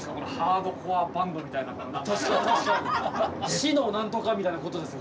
「死のなんとか」みたいなことですもんね。